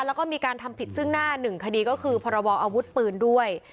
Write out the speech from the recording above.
แล้วก็มีการทำผิดซึ่งหน้าหนึ่งคดีก็คือพรบออาวุธปืนด้วย